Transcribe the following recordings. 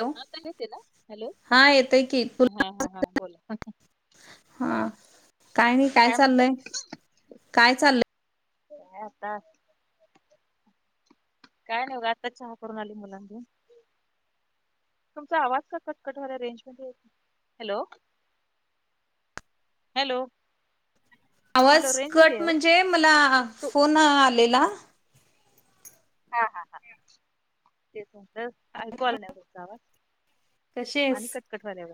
Hello आता एतय ना, हॅलो हा येतोय की तु हा हा हा बोला. हा काय नाही काय चाललय, काय चाललंय. नाही आता, काय नाही बघं आता चहा करून आली, मुलांसनी तुमचा आवाज का कटकटवा रेंजमध्ये या की, हॅलो हॅलो हॅलो आवाज रेंज मध्ये कट आहे ओ म्हणजे मला तू फोन आलेला हा हा तेच म्हटलं, ऐकू आला नाही तुमचा आवाज कशी आणि आहेस? कटकटवाल्यावर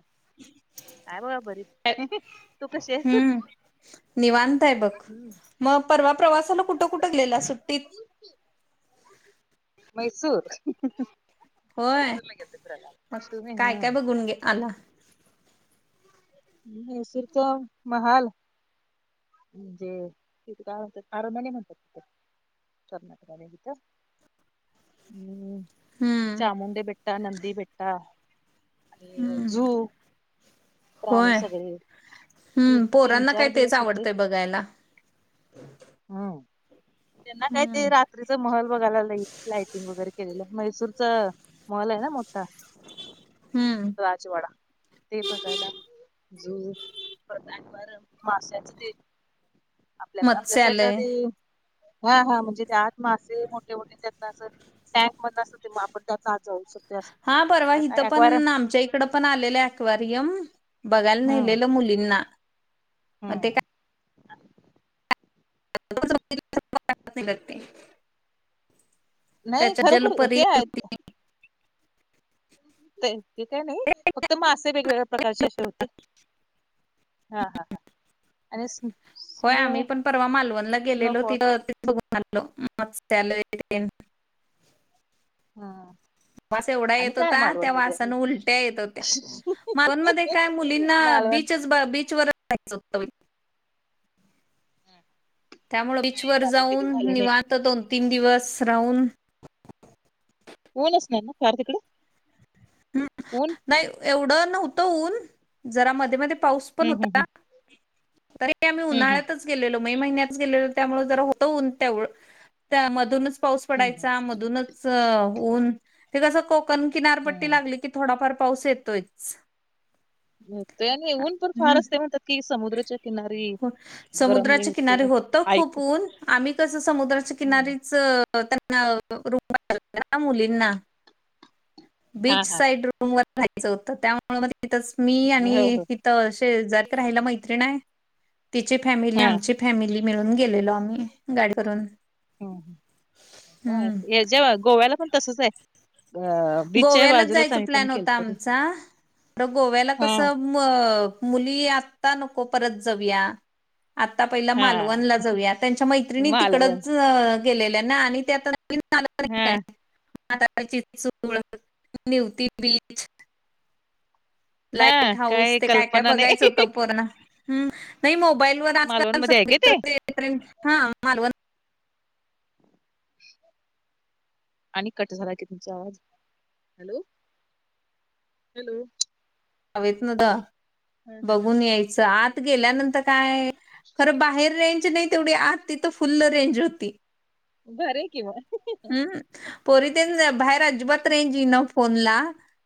हाय बघा बरी तू कशी आहेस. हम्म निवांत हाय बघ, मग परवा प्रवासाला कुठं, कुठं गेलेला सुट्टीत. म्हैसूर होय म्हैसूरला गेलते फिराया, मग तुम्ही काय ह्ऽ काय बघून गे आला. म्हैसुरच महालऽ [inaudible] हम्म हम्म चामुंडेबिटा, नंदीबिटा आणि हम्म झु प्राणी होय सगळे हम्म तीन पोरांना काय चार तेच दिवस होते. आवडतंय बघायला हम् त्यांना काय हम्म ते रात्रीच महल बघायला. लय लायटिंग वगैरे केलेलं मैसूरचा महल आहे ना मोठा हम्म राजवाडा ते बघायला. झु परत आणि ते माश्याच ते आपल्या आपल्या साईडला मत्स्यालय ते हा हा म्हणजे त्या आत मासे मोठे मोठे त्यातन असं टँक मध असत ते मग आपण त्यातन आत जाऊ शकतो. असं हा परवा काय हिथं अक्वारियम पण आमच्या इकड पण आलेलं आकवारियम बघायला हम्म नेलेलं मुलींना मग ते हम्म काय [unintelligible] नाही त्याच्या खरोखर जलपरी ते आहेत ते काय नाही फक्त मासे वेगवेगळ्या प्रकारचे असे होते. हा हा हां आणि व्हय, स्नो आम्ही पण परवा मालवणला गेलेलो स्नोफॉल तिथं [inaudible] हां वास एवढा येत होता त्या वासान उलट्या येत होत्या मालवणमध्ये काय मुलींना मालवण बीचच बी बीचवर जायच होत बाई हा, त्यामुळे बीच नाही वर माझं कधी जाऊन झालं नाही निवांत दोन तीन दिवस राहून ओनचं नाहीं नां कांर तिकडे ओन नाहीं एवढं नव्हतं ऊंन जरां मध्यें मध्यें पाऊस पणं हम्म हम्म होतां तरं कांहीं आम्हीं हम्म हम्म उन्हाळ्यांतचं गेलेलो मे महिन्यात गेलेलो त्यामुळें ज होतं ऊंन तेवढं त्यामधून चं पाऊस हम्म हम्म पडायचां मधूंनच ऊंन ते कसं कोंकण किनारं पटी हम्म की थोडांफार पाऊस येतोयं आणि येऊंन पणं फांर असते म्हणतांत की समुद्रांच्या किनारी गरमले कां रे होतं खूंप ऐकू ऊंन आम्हीं कसं समुद्रांच्या हम्म. किनारी चं त्यांना रुं मुलींना हा बीचं हा हा साईड रूंम वरं राहायचं होतं त्यामुळें मी तेथेच मी हो आणि हो तरं असे जरं कां राहांला मैत्रीण तिची फॅमिली हा आमची फॅमिली मिळूंन गेलेलो आम्हीं गाईड करूंन हे जेंव्हां गोव्यांला पणं तसंच आहे अं गोव्यांलाचं जायचं प्लॅन होतां आमचां बरं गोव्यांला हा कसं मं मुली आंत्ता नको परंत जाऊंया आंता पहिला हा मालवणंला जाऊंया, त्यांच्या मैत्रिणी मालवण तिकडचं गेलेल्या नां, आणि त्यां तरं हम्मं चुळं निवती बीचं, हा लाईट हऊस, काय ते कायं कायं कल्पना बघायचं नाही होतं पूर्ण, नाहीं मोबाईलवरं मालवण मध्ये आहे काय ते आंजकांल हां मालवंन आणि कंट झालां की तुमचां आवांज,, हॅलो. हॅलो हवे येतो नां द ह ह बघूंन यायचं आंत गेल्यानंतर कायं खरं बाहेर रेंज नाहीं तेवढी आंत तिथं फुल्ल रेंज होती भरे केव्हांही हम्मं, पोरी ते बाहेर अजिबांत रेंज येई नां फोनला.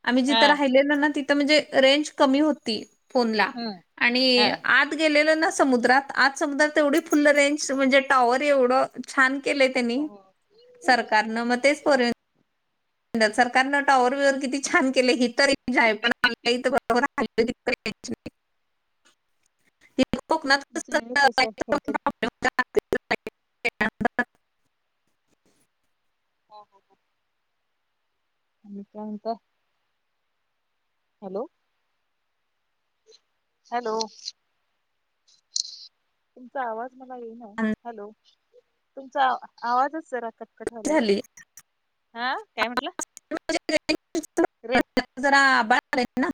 आम्हीं हा जिथं राहिलेलो नां तिथं म्हणजे रेंज कमी होती फोनला, ह आणि हा आंत गेलो नां समुद्रांत, आंत समुद्रांत तेवढी फुलं झाडांला रेंज म्हणजे टॉवर एवढं, छान केलंय त्यांनी, सरकारनं मं तेचं पोरं सरकारनं टॉवर वरं हे किती छान केले, हि तर आहे पणलाथरोर नाहीं. कोकणांत तुमचा जसा फरकत लाईटचां प्रोब्लम ऽ [unintelligible] हो हो हो, कायं मनतांय? हॅलो, हॅलो, तुमचां आवांज पटज मला येई ना, हॅलो तुमचा आवांजच जरां हां, झाली हां कायं म्हंटला! [unintelligible] रेज, जरां बाद ना,